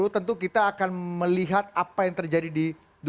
tentu kita akan melihat apa yang terjadi di dua ribu sembilan belas